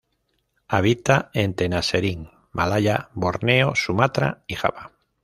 Habita en Tenasserim, Malaya, Borneo, Sumatra y Java.